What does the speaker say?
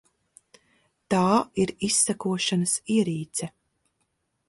Tā ir izsekošanas ierīce.